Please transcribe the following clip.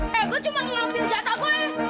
hei gua cuma mau ngampil jatah gua hei